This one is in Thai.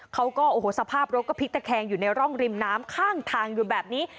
เขาก็โอ้โหสภาพรถก็พลิกตะแคงอยู่ในร่องริมน้ำข้างทางอยู่แบบนี้